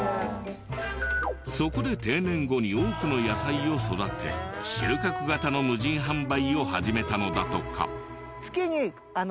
そこで定年後に多くの野菜を育て収穫型の無人販売を始めたのだとか。